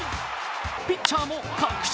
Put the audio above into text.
ピッチャーも確信